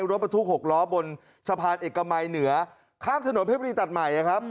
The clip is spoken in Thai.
รถบรรทุก๖ล้อบนสะพานเอกมัยเหนือข้ามถนนเพชรบุรีตัดใหม่นะครับ